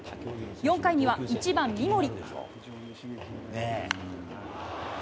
４回には１番三森。